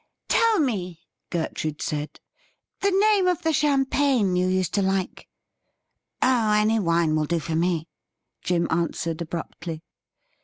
' Tell me,' Gertrude said, ' the name of the champagne you used to like.' ' Oh, any wine will do for me,' Jim answered abruptly.